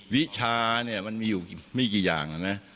วิชาเนี่ยมันมีอยู่ไม่กี่อย่างนะ